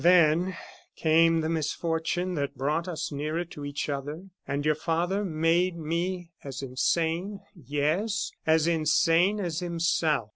"Then came the misfortune that brought us nearer to each other; and your father made me as insane, yes, as insane as himself.